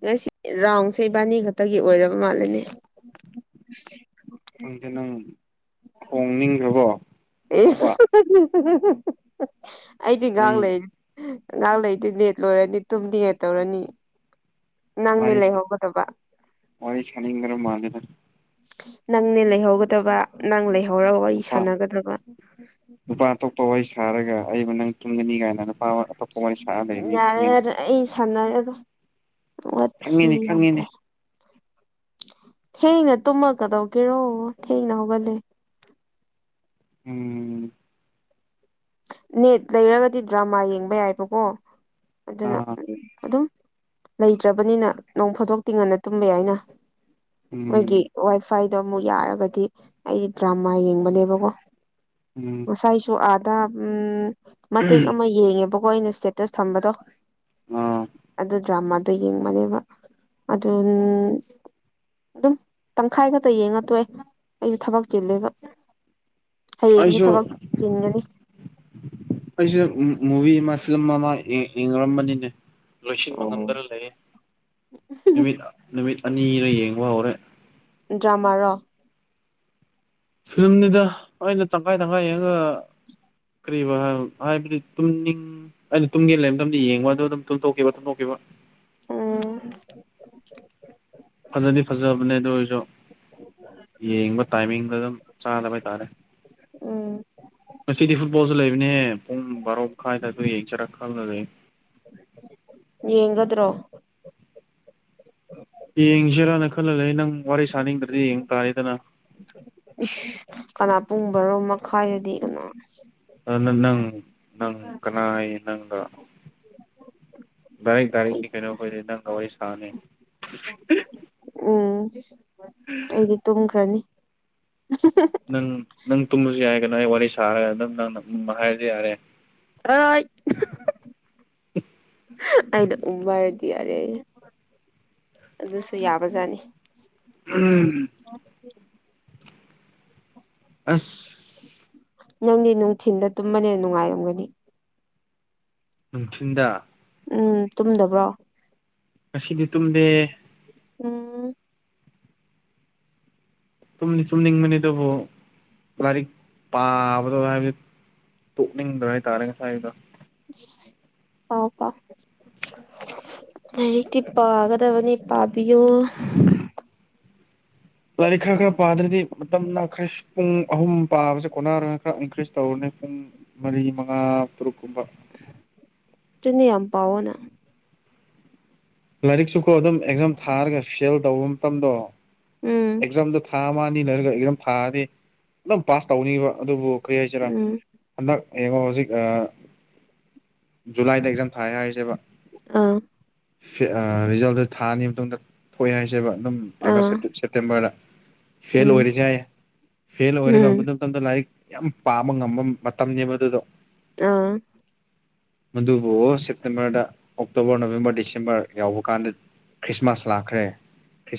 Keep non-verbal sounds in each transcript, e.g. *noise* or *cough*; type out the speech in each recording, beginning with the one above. ꯉꯁꯤ ꯔꯥꯎꯟꯁꯦ ꯏꯕꯥꯅꯤ ꯈꯛꯇꯒꯤ ꯑꯣꯏꯔꯕ ꯃꯥꯜꯂꯦꯅꯦ ꯈꯪꯗꯦ ꯅꯪ ꯈꯣꯡꯅꯤꯡꯈ꯭ꯔꯕꯣ ꯑꯩꯗꯤ ꯒꯥꯡ ꯑꯩ ꯂꯩ ꯑꯉꯥꯡ ꯂꯩꯇꯦ ꯅꯦꯠ ꯂꯣꯏꯔꯅꯤ ꯇꯨꯝꯅꯤ ꯌꯦ ꯇꯧꯔꯅꯤ ꯅꯪꯅꯦ ꯋꯥꯔꯤ ꯂꯩ ꯍꯧꯒꯗꯕ ꯋꯥꯔꯤ ꯁꯥꯅꯤꯡꯗ꯭ꯔ ꯃꯥꯜꯂꯦꯗ ꯅꯪꯅꯦ ꯂꯩꯍꯧꯒꯗꯕ ꯅꯪ ꯂꯩ ꯍꯧꯔ ꯋꯥꯔꯤ ꯅꯨꯄꯥ ꯁꯥꯟꯅꯒꯗꯕ ꯊꯥꯔꯒ ꯑꯩꯕꯨ ꯅꯪ ꯇꯨꯝꯒꯅꯤ ꯀꯥꯏꯅ ꯅꯨꯄꯥ ꯑꯃ *unintelligible* ꯁꯥꯟꯅꯔꯒ ꯋꯥꯊꯤ ꯈꯪꯉꯤꯅꯤ ꯌꯥꯝ ꯈꯪꯉꯤꯅꯤ ꯇꯥꯏ ꯊꯦꯡꯅ ꯇꯨꯝꯃ ꯀꯗꯧꯒꯦꯔꯣ ꯊꯦꯡꯅ ꯍꯧꯒꯠꯂꯦ ꯎꯝ ꯅꯦꯠ ꯂꯩꯔꯒꯗꯤ ꯗ꯭ꯔꯃꯥ ꯌꯦꯡꯕ ꯌꯥꯏꯕꯀꯣ ꯑꯗꯨꯅ ꯑꯥ ꯑꯗꯨꯝ ꯂꯩꯇ꯭ꯔꯕꯅꯤꯅ ꯅꯣꯡ ꯐꯥꯗꯣꯛꯇꯤ ꯉꯟꯅ ꯇꯨꯝꯕ ꯌꯥꯏꯅ ꯃꯣꯏꯒꯤ ꯎꯝ ꯋꯥꯏꯐꯥꯏ ꯗꯣ ꯃꯨꯛ ꯌꯥꯔꯒꯗꯤ ꯑꯩ ꯗ꯭ꯔꯃꯥ ꯌꯦꯡꯕꯅꯦꯕꯀꯣ ꯎꯝ ꯉꯁꯥꯏꯁꯨ ꯑꯥ ꯇꯥꯝ ꯎꯝ ꯃꯇꯦꯛ ꯑꯃ ꯌꯦꯡꯉꯦꯕꯀꯣ ꯑꯩꯅ ꯁ꯭ꯇꯦꯇꯁ ꯊꯝꯕꯗꯣ ꯑꯥ ꯑꯗꯨ ꯗ꯭ꯔꯃꯥꯗꯣ ꯌꯦꯡꯕꯅꯦꯕ ꯑꯗꯨꯟ ꯑꯗꯨꯝ ꯇꯪꯈꯥꯏ ꯈꯛꯇ ꯌꯦꯡꯉ ꯇꯣꯛꯑꯦ ꯑꯩꯁꯨ ꯊꯕꯛ ꯆꯤꯜꯂꯦꯕ ꯍꯌꯦꯡꯁꯨ ꯊꯕꯛ ꯆꯤꯟꯒꯅꯤ ꯑꯩꯩꯁ ꯃꯨ ꯃꯨꯚꯤ ꯑꯃ ꯐꯤꯂꯝ ꯑꯃꯥ ꯌꯦꯡ ꯌꯦꯡꯂꯝꯕꯅꯤꯅꯦ ꯂꯣꯏꯁꯤꯟꯕ ꯑꯣ ꯉꯝꯗꯅ ꯂꯩꯌꯦ ꯅꯨꯃꯤꯠ ꯅꯨꯃꯤꯠ ꯑꯅꯤꯔ ꯌꯦꯡꯕ ꯍꯧꯔꯦ ꯗ꯭ꯔꯃꯥꯔꯣ ꯐꯤꯂꯝꯅꯤꯗ ꯑꯩꯅ ꯇꯪꯈꯥꯏ ꯇꯪꯈꯥꯏ ꯌꯦꯡꯉꯒ ꯀꯔꯤꯕ ꯍꯥꯏ ꯍꯥꯏꯕꯗꯤ ꯇꯨꯝꯅꯤꯡ ꯑꯩꯅ ꯇꯨꯝꯒꯦ ꯂꯩ ꯇꯝꯗ ꯌꯦꯡꯕ ꯑꯗꯨ ꯑꯗꯨꯝ ꯇꯨꯝꯊꯣꯛꯈꯤꯕ ꯇꯨꯝꯇꯣꯛꯈꯤꯕ ꯎꯝ ꯐꯖꯗꯤ ꯐꯖꯕꯅꯦ ꯗꯨ ꯑꯣꯏꯁꯨ ꯌꯦꯡꯕ ꯇꯥꯏꯃꯤꯡꯗ ꯑꯗꯨꯝ ꯆꯥꯗꯕ ꯍꯥꯏꯇꯥꯥꯔꯦ ꯎꯝ ꯉꯁꯤꯗꯤ ꯐꯨꯠꯕꯣꯜꯁꯨ ꯂꯩꯕꯅꯦ ꯄꯨꯡ ꯕꯥꯔꯣ ꯃꯈꯥꯏꯗ ꯑꯗꯥꯏꯗꯨ ꯌꯦꯡꯁꯤꯔꯥ ꯈꯜꯂ ꯂꯩ ꯌꯦꯡꯒꯗ꯭ꯔꯣ ꯌꯦꯡꯁꯤꯔꯥꯅ ꯈꯜꯂ ꯂꯩ ꯅꯪ ꯋꯥꯔꯤ ꯁꯥꯅꯤꯡꯗ꯭ꯔꯗꯤ ꯌꯦꯡ ꯇꯥꯔꯦꯗꯅ ꯀꯅꯥ ꯄꯨꯡꯕꯔꯣ ꯃꯈꯥꯏꯗꯗꯤ ꯀꯥꯅꯥ ꯅꯅ ꯅꯪ ꯅꯪ ꯀꯅꯥꯏ ꯅꯪꯒ ꯗꯥꯏꯔꯦꯛ ꯗꯥꯏꯔꯦꯛꯗꯤ ꯀꯩꯅꯣ ꯑꯩꯈꯣꯏꯗꯤ ꯅꯪꯒ ꯋꯥꯔꯤ ꯁꯥꯅꯤ ꯎꯝ ꯑꯩꯗꯤ ꯇꯨꯝꯈ꯭ꯔꯅꯤ ꯅꯪ ꯅꯪ ꯇꯨꯝꯃꯁꯨ ꯌꯥꯏ ꯀꯅꯣ ꯑꯩ ꯋꯥꯔꯤ ꯁꯥꯔꯒ ꯑꯗꯨꯝ ꯅꯪꯅ ꯎꯝ ꯍꯥꯏꯔꯗꯤ ꯌꯥꯔꯦ *unintelligible* ꯑꯩꯅ ꯎꯝ ꯍꯥꯏꯔ ꯌꯥꯔꯦ ꯑꯗꯨꯁꯨ ꯌꯥꯕꯖꯥꯠꯅꯤ *unintelligible* *inaudible* ꯑꯁ ꯅꯪꯗꯤ ꯅꯨꯡꯊꯤꯟꯗ ꯇꯨꯝꯕꯅꯦꯅ ꯅꯨꯡꯉꯥꯏꯔꯝꯒꯅꯤ ꯅꯨꯡꯊꯤꯟꯗ ꯎꯝ ꯇꯨꯝꯗꯕ꯭ꯔꯣ ꯉꯁꯤꯗꯤ ꯇꯨꯝꯗꯦ ꯎꯝ ꯇꯨꯝꯗꯤ ꯇꯨꯝꯅꯤꯡꯕꯅꯦ ꯑꯗꯨꯕꯨ ꯂꯥꯏꯔꯤꯛ ꯄꯥꯕꯗꯣ ꯍꯥꯏꯕꯗꯤ ꯇꯣꯛꯅꯤꯡꯗ꯭ꯔ ꯍꯥꯏꯇꯥꯔꯦ ꯉꯁꯥꯏꯗꯣ ꯄꯎ ꯄꯎ ꯂꯥꯏꯔꯤꯛꯇꯤ ꯄꯥꯒꯗꯕꯅꯤ ꯄꯥꯕꯤꯌꯨ ꯂꯥꯏꯔꯤꯛ ꯈꯔ ꯈꯔ ꯄꯥꯗ꯭ꯔꯗꯤ ꯃꯇꯝ ꯂꯛꯈꯔꯦ ꯄꯨꯡ ꯑꯍꯨꯝ ꯄꯥꯕꯁꯦ ꯀꯣꯟꯅꯥꯔ ꯈꯔ ꯏꯟꯀ꯭ꯔꯤꯁ ꯇꯧꯔꯅꯤ ꯄꯨꯡ ꯃꯔꯤ ꯃꯉꯥ ꯇꯔꯨꯛ ꯀꯨꯝꯕ ꯗꯨꯅꯤ ꯌꯥꯝ ꯄꯥꯎꯑꯣꯅ ꯂꯥꯏꯔꯤꯛꯁꯨꯀꯣ ꯑꯗꯨꯝ ꯑꯦꯛꯖꯥꯝ ꯊꯥꯔꯒ ꯐꯦꯜ ꯇꯧꯕ ꯃꯇꯝꯗꯣ ꯎꯝ ꯑꯦꯛꯖꯥꯝꯗꯣ ꯊꯥ ꯃꯥ ꯅꯤ ꯂꯩꯔꯒ ꯑꯦꯛꯖꯥꯝ ꯊꯥꯔꯗꯤ ꯑꯗꯨꯝ ꯄꯥꯁ ꯇꯧꯅꯤꯕ ꯑꯗꯨꯕꯨ ꯀꯔꯤ ꯍꯥꯏꯁꯤꯔꯥ ꯎꯝ ꯍꯟꯗꯛ ꯌꯦꯡꯉꯣ ꯍꯧꯖꯤꯛ ꯖꯨꯂꯥꯏꯗ ꯑꯦꯛꯖꯥꯝ ꯊꯥꯏ ꯍꯥꯏꯁꯦꯕ ꯑꯥ ꯔꯤꯖꯜꯗꯨ ꯊꯥꯅꯤ ꯃꯇꯨꯡꯗ ꯊꯣꯛꯑꯦ ꯍꯥꯏꯁꯦꯕ ꯑꯗꯨꯝ ꯑꯥꯒꯁ ꯑꯥ ꯁꯦꯞꯇꯦꯝꯕꯔꯗ ꯐꯦꯜ ꯎꯝ ꯑꯣꯏꯔꯤꯁꯦ ꯌꯥꯏ ꯐꯦꯜ ꯑꯣꯏꯔꯒ ꯑꯗꯨ ꯎꯝ ꯃꯇꯝꯗ ꯂꯥꯏꯔꯤꯛ ꯌꯥꯝ ꯄꯥꯕ ꯉꯝꯕ ꯃꯇꯝꯅꯦꯕ ꯑꯗꯨꯗꯣ ꯑꯥ ꯃꯗꯨꯕꯨ ꯁꯦꯞꯇꯝꯕꯔꯗ ꯑꯣꯛꯇꯣꯕꯔ ꯅꯕꯦꯝꯝꯕꯔ ꯗꯤꯁ ꯗꯤꯁꯦꯝꯕꯔ ꯌꯥꯎꯕ ꯀꯥꯟꯗ ꯈ꯭ꯔꯤꯁꯃꯥꯁ ꯂꯥꯛꯈ꯭ꯔꯦ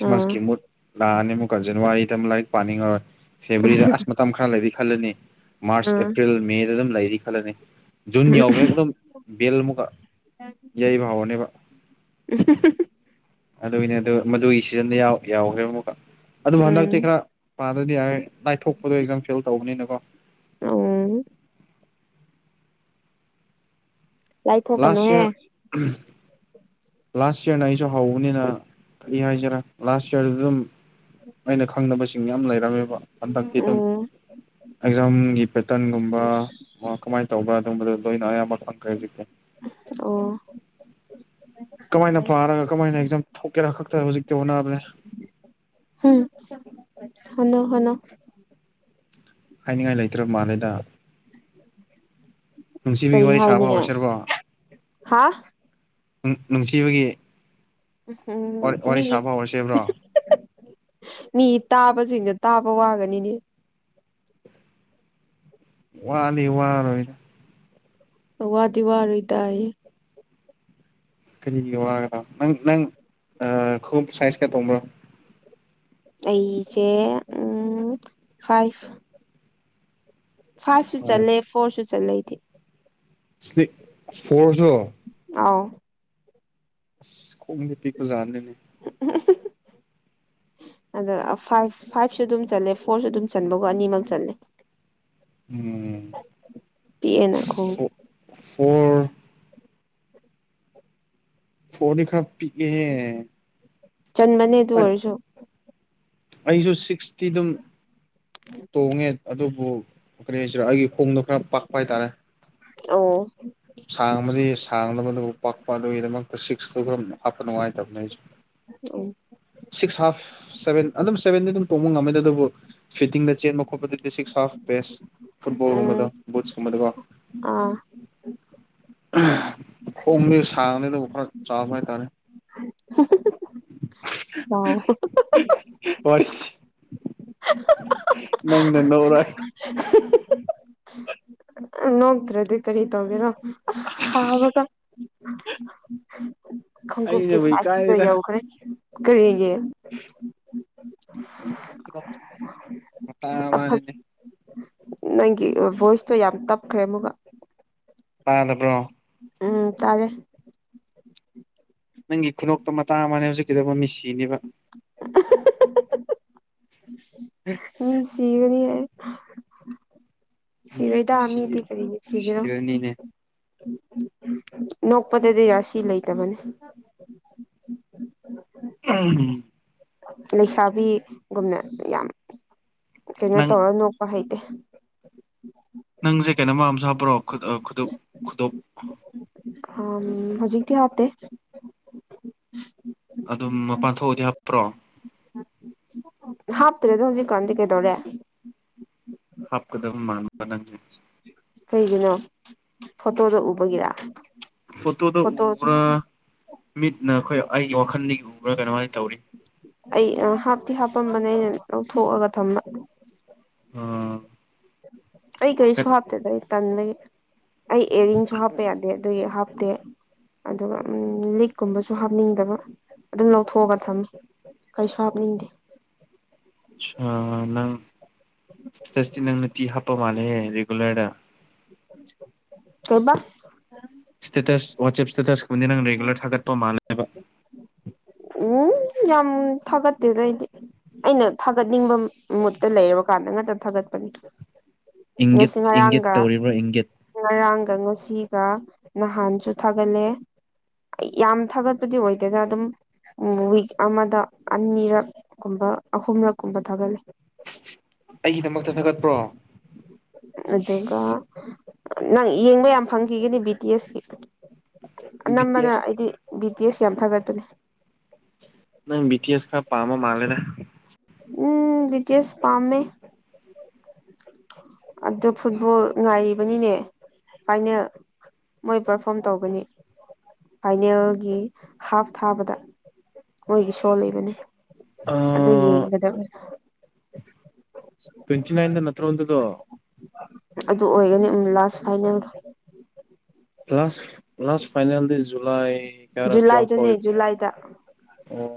ꯑꯥ ꯃꯨꯠ ꯂꯥꯛꯑꯅꯤ ꯑꯃꯨꯛꯀ ꯖꯅꯋꯔꯤꯗ ꯂꯥꯏꯔꯤꯛ ꯄꯥꯅꯤꯡ ꯉꯔꯣꯏ ꯐꯦꯕꯋꯥꯔꯤꯗ ꯑꯁ ꯃꯇꯝ ꯈꯔ ꯂꯩꯔꯤ ꯈꯜꯂꯅꯤ ꯃꯥꯔꯆ ꯑꯥ ꯑꯦꯄ꯭ꯔꯤꯜ ꯃꯦꯗ ꯑꯗꯨꯝ ꯂꯩꯔꯤ ꯈꯜꯂꯅꯤ ꯖꯨꯟ ꯌꯥꯎꯒꯩ ꯑꯗꯨꯝ ꯕꯦꯜ ꯑꯃꯨꯛꯀ ꯌꯩꯕ ꯍꯧꯎꯔꯅꯦꯕ *inaudible* ꯑꯗꯨꯅꯦ ꯑꯗꯨ ꯃꯗꯨꯒꯤ ꯁꯤꯖꯟꯗ ꯌꯥꯎ ꯌꯥꯎꯈ꯭ꯔꯦ ꯑꯃꯨꯛꯀ ꯑꯗꯨꯕꯨ ꯍꯟꯗꯛꯇꯤ ꯎꯝ ꯈꯔ ꯄꯥꯗꯗꯤ ꯌꯥꯔꯣꯏ ꯂꯥꯏꯊꯣꯛꯄꯗꯣ ꯑꯦꯛꯖꯝ ꯐꯦꯜ ꯇꯧꯕꯅꯤꯅ ꯀꯣ ꯑꯝ ꯂꯥꯏꯊꯣꯛ ꯂꯥꯁ ꯀꯅꯣꯍꯦ ꯌꯔ ꯂꯥꯁ ꯏꯌꯥꯔꯅ ꯑꯩꯁꯨ ꯍꯧꯕꯅꯤꯅ ꯀꯔꯤ ꯍꯥꯏꯖꯔ ꯂꯥꯁ ꯏꯌꯥꯔꯗ ꯑꯗꯨꯝ ꯑꯩꯅ ꯈꯪꯗꯕꯁꯤꯡ ꯌꯥꯝ ꯂꯩꯔꯝꯃꯦꯕ ꯍꯟꯗꯛꯇꯤ ꯑꯗꯨꯝ ꯎꯝ ꯑꯦꯛꯖꯥꯝꯒꯤ ꯄꯦꯇꯔꯟꯒꯨꯝꯕ ꯑꯣꯔ ꯀꯃꯥꯏꯅ ꯇꯧꯕ꯭ꯔꯥ ꯑꯗꯨꯒꯝꯕꯗꯨ *unintelligible* ꯑꯣ ꯀꯃꯥꯏꯅ ꯄꯥꯔꯒ ꯀꯃꯥꯏꯅ ꯑꯦꯛꯖꯥꯝ ꯊꯣꯛꯀꯦꯔꯥ ꯈꯥꯛ ꯇꯥ ꯍꯧꯖꯛꯇꯤ ꯍꯣꯠꯅꯕꯅꯦ ꯎꯝ ꯍꯣꯠꯅꯧ ꯍꯣꯠꯅꯧ ꯍꯥꯏꯅꯤꯡꯉꯥꯏ ꯂꯩꯇ꯭ꯔꯕ ꯃꯥꯜꯂꯦꯗ ꯅꯨꯡꯁꯤꯕꯤꯒꯤ ꯀꯔꯤ ꯋꯥꯔꯤ ꯁꯥꯕ ꯍꯥꯏꯅꯤꯡꯉꯦ ꯍꯧꯔꯁꯤꯕꯔꯣ ꯍꯥ ꯎꯝ ꯅꯨꯡꯁꯤꯕꯒꯤ ꯎꯝ ꯋꯥꯔꯤ ꯃꯤꯒꯤ ꯁꯥꯕ ꯍꯧꯔꯁꯦꯕ꯭ꯔꯣ ꯃꯤꯒꯤ ꯇꯥꯕꯁꯤꯡꯁꯦ ꯇꯥꯕ ꯋꯥꯒꯅꯤꯅꯦ ꯋꯥꯗꯤ ꯋꯥꯔꯣꯏꯗ ꯋꯥꯗꯤ ꯋꯥꯔꯣꯏꯗꯌꯦ ꯀꯔꯤꯒꯤ ꯋꯥꯔꯕꯥ ꯅꯪ ꯅꯪ ꯈꯨꯡꯉꯨꯞ ꯁꯥꯏꯁ ꯀꯌꯥ ꯇꯣꯡꯕ꯭ꯔꯣ ꯑꯩꯁꯦ ꯎꯝ ꯐꯥꯏꯚ ꯐꯥꯏꯚꯁꯨ ꯆꯜꯂꯦ ꯐꯣꯔꯁꯨ ꯆꯜꯂꯦꯑꯩꯗꯤ ꯐꯣꯔꯁꯨ *unintelligible* ꯑꯥꯎ ꯑꯁ ꯈꯣꯡꯗꯤ ꯄꯤꯛꯄꯖꯥꯠꯅꯤꯅꯦ *inaudible* ꯑꯗ ꯐꯥꯏꯚ ꯐꯥꯏꯚꯁꯨ ꯑꯗꯨꯝ ꯆꯜꯂꯦ ꯐꯣꯔꯁꯨ ꯑꯗꯨꯝ ꯆꯟꯕꯒꯣ ꯑꯅꯤꯃꯛ ꯆꯜꯂꯦ ꯎꯝ ꯄꯤꯛ ꯑꯦꯅꯈꯣꯡ ꯑꯣꯔ ꯐꯣꯔꯗꯤ ꯈꯔꯄꯤꯛꯑꯦꯍꯦ ꯆꯟꯕꯅꯦ ꯗꯨ ꯑꯣꯏꯔꯁꯨ ꯑꯩꯁꯨ ꯁꯤꯛꯁꯇꯤ ꯗꯨꯝ ꯇꯣꯡꯉꯦ ꯑꯗꯨꯕꯨ ꯀꯔꯤ ꯍꯥꯏꯁꯤꯔꯥ ꯑꯩꯒꯤ ꯈꯣꯡꯗꯣ ꯈꯔ ꯄꯥꯛꯄ ꯍꯥꯏꯇꯥꯔꯦ ꯑꯣ ꯁꯥꯡꯕꯗꯤ ꯁꯥꯡꯗꯕ ꯑꯗꯨꯕꯨ ꯄꯥꯛꯄ ꯑꯗꯨꯒꯤꯗꯃꯛ ꯁꯤꯛꯁꯇꯣ ꯈꯔ ꯍꯥꯞꯄ ꯅꯨꯡꯉꯥꯏꯇꯕꯅꯦ ꯑꯩꯁꯨ ꯎꯝ ꯁꯤꯛꯁ ꯍꯥꯐ ꯁꯚꯦꯟ ꯑꯗꯨꯝ ꯁꯚꯦꯟꯗꯤ ꯑꯗꯨꯝ ꯇꯣꯡꯕ ꯉꯝꯃꯦꯗ ꯑꯗꯨꯕꯨ ꯐꯤꯠꯇꯤꯡꯗ ꯆꯦꯟꯕ ꯈꯣꯠꯄ ꯗꯤ ꯁꯤꯛꯁ ꯍꯐ ꯕꯦꯁ ꯐꯨꯠꯕꯣꯜꯒꯨꯝꯕꯗꯣ ꯎꯝ ꯕꯨꯠꯁꯀꯨꯝꯕꯗꯀꯣ ꯑꯥ ꯈꯣꯡꯗꯤ ꯁꯥꯡꯗꯦ ꯑꯗꯨꯕꯨ ꯈꯔ ꯆꯥꯎꯕ ꯍꯥꯏꯇꯥꯔꯦ *unintelligible* *unintelligible* ꯅꯪꯅ ꯅꯣꯛꯔ ꯅꯣꯛꯇ꯭ꯔꯗꯤ ꯀꯔꯤ ꯇꯧꯒꯦꯔꯣ ꯑꯁ ꯁꯥꯕꯒ ꯈꯣꯡꯒꯨꯞꯀꯤ ꯑꯩꯅꯕꯨ ꯁꯥꯏꯁꯁꯨ ꯌꯧꯈ꯭ꯔꯦ ꯀꯔꯤꯒꯤ *unintelligible* ꯃꯇꯥ ꯑꯃꯅꯤꯅꯦ ꯅꯪꯒꯤ ꯚꯣꯏꯁꯇꯣ ꯌꯥꯝ ꯇꯞꯈ꯭ꯔꯦ ꯑꯃꯨꯛꯀ ꯇꯥꯅꯕ꯭ꯔꯣ ꯎꯝ ꯇꯥꯔꯦ ꯅꯪꯒꯤ ꯈꯨꯅꯣꯛꯇ ꯃꯇꯥ ꯑꯃꯅꯦ ꯍꯧꯖꯤꯛꯀꯤꯗꯨꯕꯣ ꯃꯤꯁꯤꯅꯤꯕ *unintelligible* ꯃꯤꯁꯤꯒꯅꯤ ꯍꯥꯏ ꯁꯤꯔꯣꯏꯗꯥ ꯃꯤꯗꯤ ꯁꯤ ꯀꯔꯤꯒꯤ ꯁꯤꯒꯦꯔꯣ ꯁꯤꯔꯅꯤꯅꯦ ꯅꯣꯛꯄꯗꯗꯤ ꯔꯥꯁꯤ ꯂꯩꯇꯕꯅꯦ ꯑꯝ ꯂꯩꯁꯥꯕꯤꯒꯨꯝꯅ ꯌꯥꯝ ꯀꯩꯅꯣ ꯅꯪ ꯇꯧꯔ ꯅꯣꯛꯄ ꯍꯩꯇꯦ ꯅꯪꯁꯦ ꯀꯩꯅꯣꯝꯃ ꯑꯝꯁꯨ ꯍꯥꯞꯄ꯭ꯔꯣ ꯈꯨ ꯈꯨꯗꯨꯞ ꯈꯨꯗꯣꯞ ꯑꯝ ꯍꯧꯖꯤꯛꯇꯤ ꯍꯥꯞꯇꯦ ꯑꯗꯨꯝ ꯃꯄꯥꯟ ꯊꯣꯛꯑꯗꯤ ꯍꯥꯞꯄ꯭ꯔꯣ ꯍꯥꯞꯇ꯭ꯔꯦꯗ ꯍꯧꯖꯤꯛꯀꯥꯟꯗꯤ ꯀꯩꯗꯧꯔꯦ ꯍꯥꯞꯀꯗꯕ ꯃꯥꯟꯕ ꯅꯪꯁꯦ ꯀꯩꯒꯤꯅꯣ ꯐꯣꯇꯣꯗꯣ ꯎꯕꯒꯤꯔꯥ ꯐꯣꯠꯇꯣꯗ ꯎꯕ꯭ꯔꯥ ꯃꯤꯠꯅ ꯈꯣꯏ ꯑꯩꯒꯤ ꯋꯥꯈꯜꯗꯒꯤ ꯎꯕ꯭ꯔꯥ ꯀꯩꯅꯣꯃꯥꯏ ꯇꯧꯔꯤ ꯑꯩ ꯑ ꯍꯥꯞꯇꯤ ꯍꯥꯞꯄꯝꯕꯅꯦ ꯑꯩꯅ ꯂꯧꯊꯣꯛꯑꯒ ꯊꯝꯕ ꯑꯥ ꯑꯩ ꯀꯔꯤꯁꯨ ꯍꯥꯞꯇꯦꯗ ꯑꯩ ꯇꯟꯕꯒꯤ ꯑꯩ ꯑꯦꯔꯤꯡꯁꯨ ꯍꯥꯞꯄ ꯌꯥꯗꯦ ꯑꯗꯨꯏ ꯍꯥꯞꯇꯦ ꯑꯗꯨꯒ ꯎꯝ ꯂꯤꯛꯀꯨꯝꯕꯁꯨ ꯍꯥꯞꯅꯤꯡꯗꯕ ꯑꯗꯨꯝ ꯂꯧꯊꯣꯛꯑꯒ ꯊꯝꯃꯦ ꯀꯩꯁꯨꯍꯞꯅꯤꯡꯗꯦ ꯁ꯭ꯇꯦꯇꯁꯇꯤ ꯅꯪ ꯅꯨꯇꯤ ꯍꯥꯞꯄ ꯃꯥꯜꯂꯦꯍꯦ ꯔꯤꯒꯨꯂꯔꯗ ꯀꯩꯕꯥ ꯁ꯭ꯇꯦꯇꯁ ꯋꯥꯆꯦꯞ ꯁ꯭ꯇꯦꯇꯁꯀꯨꯝꯕꯗꯤ ꯅꯪ ꯔꯤꯒꯨꯂꯔ ꯊꯥꯒꯠꯄ ꯃꯥꯜꯂꯦꯕ ꯑꯣ ꯌꯥꯝ ꯊꯥꯒꯠꯇꯦꯗ ꯑꯩꯗꯤ ꯑꯩꯅ ꯊꯥꯒꯠꯅꯤꯡꯕ ꯃꯨꯠꯇ ꯂꯩꯔꯕꯀꯥꯟꯗ ꯉꯥꯛꯇ ꯊꯥꯒꯠꯄꯅꯤ ꯏꯪꯒꯤꯠ ꯉꯁꯤ ꯏꯪꯒꯤꯠ ꯉꯔꯥꯡꯒ ꯇꯧꯔꯤꯕ꯭ꯔꯥ ꯏꯪꯒꯤꯠ ꯉꯔꯥꯡꯒ ꯉꯁꯤ ꯅꯍꯥꯟꯁꯨ ꯊꯥꯒꯠꯂꯦ ꯌꯥꯝ ꯊꯥꯒꯠꯄꯗꯤ ꯑꯣꯏꯗꯦꯗ ꯑꯗꯨꯝ ꯎꯝ ꯋꯤꯛ ꯑꯃꯗ ꯑꯅꯤꯔꯛ ꯀꯨꯝꯕ ꯑꯍꯨꯝꯂꯛ ꯀꯨꯝꯕ ꯊꯥꯒꯠꯂꯤ ꯑꯩꯒꯤꯗꯃꯛꯇ ꯊꯥꯒꯠꯄ꯭ꯔꯣ ꯑꯗꯨꯒ ꯅꯪ ꯌꯦꯡꯕ ꯌꯥꯝ ꯐꯪꯈꯤꯒꯅꯤ ꯕꯤ ꯇꯤ ꯑꯦꯁ ꯀꯤ ꯕꯤ ꯇꯤ ꯑꯅꯝꯕꯅ ꯑꯦꯁ ꯑꯩꯗꯤ ꯕꯤ ꯇꯤ ꯑꯦꯁ ꯌꯥꯝ ꯊꯥꯒꯠꯄꯅꯦ ꯅꯪ ꯕꯤ ꯇꯤ ꯑꯦꯁ ꯈꯔ ꯄꯥꯝꯕ ꯃꯥꯜꯂꯦꯗ ꯎꯝ ꯕꯤ ꯇꯤ ꯑꯦꯁ ꯄꯥꯝꯃꯦ ꯑꯗꯨ ꯐꯨꯠꯕꯣꯜ ꯉꯥꯏꯔꯤꯕꯅꯤꯅꯦ ꯐꯥꯏꯅꯦꯜ ꯃꯣꯏ ꯄꯔꯐꯣꯝ ꯇꯧꯒꯅꯤ ꯐꯥꯏꯅꯦꯜꯒꯤ ꯍꯥꯐ ꯊꯥꯕꯗ ꯃꯣꯏꯒꯤ ꯁꯣ ꯂꯩꯕꯅꯦ ꯑꯗꯨ ꯌꯦꯡꯒꯗꯕꯅꯦ ꯇꯋꯦꯟꯇꯤ ꯅꯥꯏꯟꯗ ꯅꯠꯇ꯭ꯔꯣ ꯑꯗꯨꯗꯣ ꯑꯗꯨ ꯑꯣꯏꯒꯅꯤ ꯎꯝ ꯂꯥꯁ ꯐꯥꯏꯅꯦꯜꯗꯣ ꯂꯥꯁ ꯂꯥꯁ ꯐꯥꯏꯅꯦꯜꯗꯤ ꯖꯨꯂꯥꯏ ꯀꯌꯥꯔ ꯇꯨꯋꯦꯂꯐ ꯖꯨꯂꯥꯏꯗꯅꯦ ꯑꯣꯏꯕꯅꯦ ꯖꯨꯂꯥꯏꯗ ꯑꯣ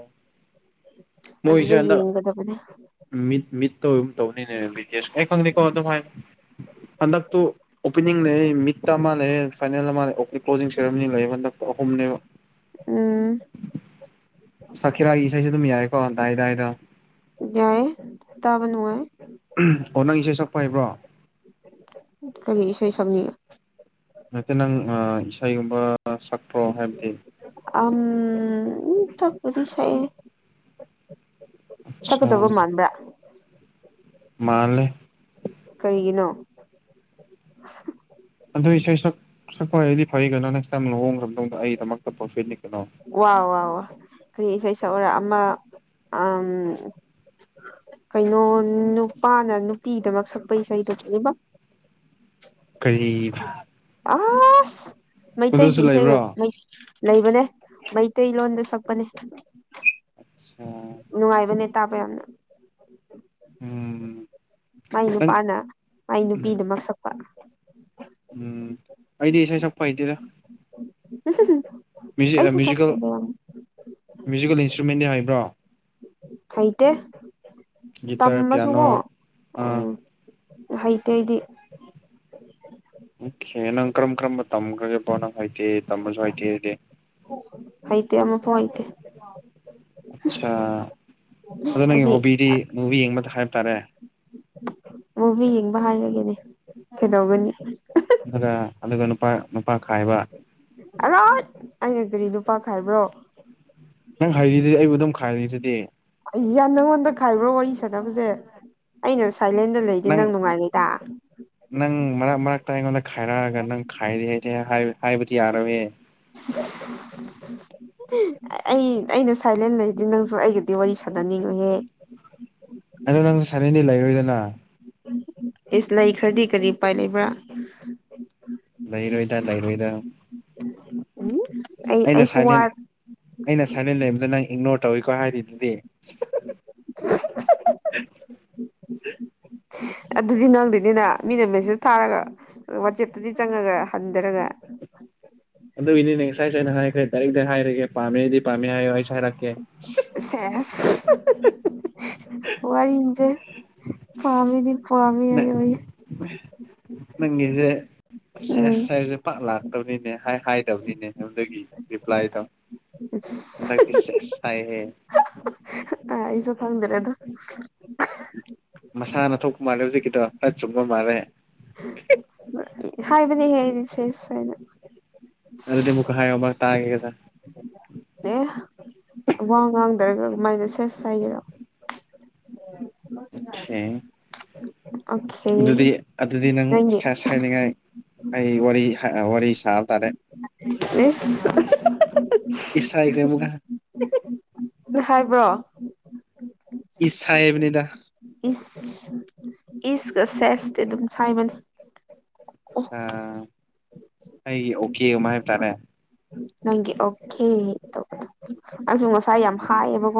ꯃꯣꯏꯁꯦ ꯑꯗꯨꯗ ꯍꯟꯗꯛ ꯌꯦꯡꯒꯗꯕꯅꯦ ꯃꯤꯠ ꯃꯤꯠꯇꯣ ꯑꯗꯨꯝ ꯇꯧꯅꯤꯅꯦ ꯕꯤ ꯇꯤ ꯑꯦꯁ ꯑꯩ ꯈꯪꯗꯦꯀꯣ ꯑꯗꯨꯝ ꯍꯥꯏ ꯍꯟꯗꯛꯇꯨ ꯑꯣꯄꯅꯤꯡ ꯂꯩꯌꯦ ꯃꯤꯠꯇ ꯑꯃ ꯂꯩꯌꯦ ꯐꯥꯏꯅꯦꯜ ꯑꯃ ꯑꯣꯛꯇꯤ ꯀ꯭ꯂꯣꯖꯤꯡ ꯁꯦꯔꯝꯃꯅꯤ ꯂꯩꯌꯦ ꯍꯟꯗꯛ ꯑꯍꯨꯝꯅꯦꯕ ꯎꯝ ꯁꯈꯤꯔꯥꯒꯤ ꯏꯁꯩꯁꯦ ꯑꯗꯨꯝ ꯌꯥꯏ ꯑꯣ ꯗꯥꯏ ꯗꯥꯏꯗꯣ ꯌꯥꯏꯌꯦ ꯇꯥꯕ ꯅꯨꯡꯉꯥꯏꯌꯦ ꯑꯣ ꯅꯪ ꯏꯁꯩ ꯁꯛꯄ ꯍꯩꯕ꯭ꯔꯣ ꯀꯔꯤ ꯏꯁꯩ ꯁꯛꯅꯤ ꯅꯠꯇꯦ ꯅꯪ ꯑ ꯏꯁꯩ ꯒꯨꯝꯕ ꯁꯛ ꯑꯝ ꯁꯛꯄꯨꯗꯤ ꯁꯛꯑꯦ ꯑꯆꯥ ꯁꯛꯀꯗꯧꯕ ꯃꯥꯟꯕ꯭ꯔꯥ ꯃꯥꯜꯂꯦ ꯀꯩꯒꯤꯅꯣ ꯑꯗꯨ ꯏꯁꯩ ꯋꯥ ꯋꯥ ꯋꯥ *inaudible* ꯀꯔꯤ ꯏꯁꯩ ꯁꯛꯑꯣꯔ ꯑꯃ ꯑꯝ ꯀꯩꯅꯣ ꯅꯨꯄꯥꯅ ꯅꯨꯄꯤꯗꯃꯛ ꯁꯛꯄ ꯏꯁꯩꯗꯣ ꯀꯔꯤꯕ ꯀꯔꯤ ꯑꯁ ꯑꯗꯨꯁꯨ ꯃꯩꯇꯩꯒꯤ ꯏꯁꯩ ꯑꯣꯏ ꯂꯩꯕ꯭ꯔꯣ ꯃꯩ ꯂꯩꯕꯅꯦ ꯃꯩꯇꯩꯂꯣꯟꯗ ꯁꯛꯄꯅꯦ ꯑꯠꯆꯥ ꯅꯨꯡꯉꯥꯏꯕꯅꯦ ꯇꯥꯕ ꯌꯥꯝꯅ ꯎꯝ ꯃꯥꯏ ꯅꯪ ꯅꯨꯄꯥꯅ ꯃꯥꯏ ꯅꯨꯄꯤꯗꯃꯛ ꯁꯛꯄ ꯎꯝ ꯑꯩꯗꯤ ꯏꯁꯩ ꯁꯛꯄ ꯍꯩꯇꯦꯗ *inaudible* ꯃꯨ꯭ꯌꯖꯤꯛ ꯑ ꯑꯩꯁꯨ ꯃ꯭ꯌꯨꯖꯤꯀꯦꯜ ꯁꯛꯄꯅꯦ ꯌꯥꯝ ꯃꯌꯨ꯭ꯖꯤꯀꯦꯜ ꯏꯟꯁꯇ꯭ꯔꯨꯃꯦꯟꯗꯤ ꯍꯥꯏꯕ꯭ꯔꯣ ꯍꯩꯇꯦ ꯒꯤꯇꯔ ꯄꯤꯌꯥꯅꯣ ꯇꯝꯃꯁꯨꯀꯣ ꯑꯥ ꯎꯝ ꯍꯩꯇꯦ ꯑꯩꯗꯤ ꯑꯣꯈꯦ ꯅꯪ ꯀꯔꯝ ꯀꯔꯝꯕ ꯇꯝꯒ꯭ꯔꯒꯦꯕ ꯅꯪ ꯍꯩꯇꯦ ꯇꯝꯕꯁꯨ ꯍꯩꯇꯦ ꯑꯩꯗꯤ ꯍꯩꯇꯦ ꯑꯃꯐꯥꯎ ꯍꯩꯇꯦ ꯑꯠꯁꯥ ꯑꯗꯣ ꯅꯪꯒꯤ ꯑꯁꯤ ꯍꯣꯕꯤꯗꯤ ꯑꯗꯨꯝ ꯌꯦꯡꯕꯗ ꯍꯥꯏꯇꯥꯔꯦ ꯃꯨꯚꯤ ꯌꯦꯡꯕ ꯍꯥꯏꯔꯒꯅꯦ ꯀꯩꯗꯧꯒꯅꯤ ꯑꯗꯨꯒ ꯑꯗꯨꯒ ꯅꯨꯄꯥ ꯅꯨꯄꯥ ꯈꯥꯏꯕ ꯑꯂꯣꯍꯩꯠ ꯑꯩꯅ ꯀꯔꯤ ꯅꯨꯄꯥ ꯈꯥꯏꯕ꯭ꯔꯣ ꯅꯪ ꯍꯥꯏꯔꯤꯗꯨ ꯑꯩꯕꯨ ꯑꯗꯨꯝ ꯈꯥꯏꯔꯤꯗꯨꯗꯤ ꯌꯥꯝ ꯅꯉꯣꯟꯗ ꯈꯥꯏꯕ꯭ꯔꯣ ꯋꯥꯔꯤ ꯁꯥꯟꯅꯕꯁꯦ ꯑꯩꯅ ꯁꯥꯏꯂꯦꯟꯗ ꯂꯩꯒꯦ ꯅꯪ ꯅꯨꯡꯉꯥꯏꯔꯣꯏꯗꯥ ꯅꯪ ꯃꯔꯛ ꯃꯔꯛꯇ ꯑꯩꯉꯣꯟꯗ ꯈꯥꯏꯔꯛꯑꯒ ꯅꯪ ꯈꯥꯏꯔꯦꯗꯤ ꯍꯥꯏ ꯍꯥꯏꯕꯗꯤ ꯌꯥꯔꯣꯏꯌꯦ *inaudible* ꯑꯩ ꯑꯩꯅ ꯁꯥꯏꯂꯦꯟ ꯂꯩꯔꯗꯤ ꯅꯪꯁꯨ ꯑꯩꯒꯗꯤ ꯋꯥꯔꯤ ꯁꯥꯟꯅꯅꯤꯡꯉꯣꯏꯍꯦ *inaudible* ꯁꯥꯢꯂꯦꯟꯗꯤ ꯂꯩꯔꯣꯏꯗꯅꯥ ꯏꯁ ꯂꯩꯈ꯭ꯔꯗꯤ ꯀꯔꯤ ꯎꯄꯥꯏ ꯂꯩꯕ꯭ꯔꯥ ꯂꯩꯔꯣꯏꯗ ꯂꯩꯔꯣꯏꯗ ꯎꯝ ꯑꯩ ꯑꯩꯅ ꯑꯩꯁꯨ ꯁꯥꯏꯂꯦꯟ ꯋꯥꯔ ꯑꯩꯅ ꯁꯥꯏꯅꯦꯟ ꯂꯩꯕꯗꯣ ꯅꯪ ꯏꯛꯅꯣꯔ ꯇꯧꯋꯤꯀꯣ ꯍꯥꯏꯔꯤꯗꯨꯗꯤ *unintelligible* ꯑꯗꯨꯗꯤ ꯅꯪꯗꯣꯏꯅꯤꯅ ꯃꯤꯅ ꯃꯦꯁꯦꯁ ꯊꯥꯔꯒ ꯋꯥꯆꯦꯞꯇꯗꯤ ꯆꯪꯉꯒ ꯍꯟꯗ꯭ꯔꯒ *unintelligible* ꯑꯗꯨꯒꯤꯅꯤꯅꯦ ꯉꯁꯥꯏꯁꯨ ꯑꯩꯅ ꯍꯥꯏꯈ꯭ꯔꯦ ꯗꯥꯏꯔꯦꯛꯇ ꯍꯥꯏꯔꯒꯦ ꯄꯥꯝꯃꯦꯗꯤ ꯄꯥꯝꯃꯦ ꯍꯥꯏꯌꯣ ꯑꯩꯁꯨ ꯍꯥꯏꯔꯛꯀꯦ *unintelligible* ꯋꯥꯔꯤꯖꯦ ꯄꯥꯝꯃꯦꯗꯤ ꯄꯥꯝꯃꯤ ꯍꯥꯏꯌꯣꯏꯌꯦ ꯅꯪꯒꯤꯖꯦ ꯁꯦꯁ ꯍꯥꯏꯕꯖꯦ ꯄꯥꯛ ꯂꯥꯛꯇꯕꯅꯤꯅꯦ ꯍꯥꯏ ꯍꯥꯢꯗꯕꯅꯤꯅꯦ ꯑꯗꯨꯒꯤ ꯔꯤꯄ꯭ꯂꯥꯏꯗꯣ ꯍꯟꯗꯛꯇꯤ ꯁꯦꯁ ꯍꯥꯏꯍꯦ ꯈꯪꯗꯔꯦꯗ ꯃꯁꯥꯅ ꯊꯣꯛꯄ ꯃꯥꯜꯂꯦ ꯍꯨꯖꯤꯛꯀꯤꯗꯣ ꯈꯔ ꯆꯨꯝꯕ ꯃꯥꯜꯂꯦ ꯍꯥꯏꯕꯅꯤꯍꯦ ꯑꯩꯗꯤ ꯁꯦꯁ ꯍꯥꯢꯅ ꯑꯗꯨꯗꯤ ꯑꯃꯨꯛꯀ ꯍꯥꯏꯌꯣ ꯑꯃꯔꯛ ꯇꯥꯒꯦꯒꯁꯦ ꯑꯦ ꯋꯥ ꯉꯥꯡꯗ꯭ꯔꯒ ꯀꯃꯥꯏꯅ ꯁꯦꯁ ꯍꯥꯏꯒꯦꯔꯣ ꯑꯣꯈꯦ ꯑꯣꯀꯦ ꯑꯗꯨꯗꯤ ꯑꯗꯨꯗꯤ ꯅꯪ ꯅꯪꯒꯤ ꯁꯦꯁ ꯍꯥꯏꯅꯤꯡꯉꯥꯏ ꯑꯩ ꯋꯥꯔꯤ ꯍ ꯋꯥꯔꯤ ꯁꯥꯕ ꯇꯥꯔꯦ ꯑꯦꯁ *unintelligible* ꯏꯁ ꯍꯥꯏꯈ꯭ꯔꯦ ꯑꯃꯨꯛꯀ ꯕꯤ ꯍꯥꯏꯕ꯭ꯔꯣ ꯏꯁ ꯍꯥꯏꯕꯅꯦꯗ ꯏꯁ ꯏꯁꯀ ꯁꯦꯁꯇꯤ ꯑꯗꯨꯝ ꯁꯥꯏꯕꯅꯤ ꯑꯠꯁꯥ ꯑꯩꯒꯤ ꯑꯣꯀꯦ ꯑꯃ ꯍꯥꯏꯕ ꯇꯥꯔꯦ ꯅꯪꯒꯤ ꯑꯣꯈꯦ ꯇꯧꯕꯗꯣ ꯑꯗꯨ ꯉꯁꯥꯏ ꯌꯥꯝ ꯎꯝ ꯍꯥꯏꯌꯦꯕꯀꯣ